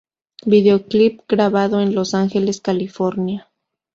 Video clip grabado en Los Angeles, California.